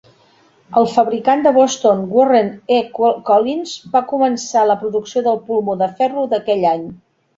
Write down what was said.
El fabricant de Boston, Warren E. Collins, va començar la producció del pulmó de ferro d'aquell any.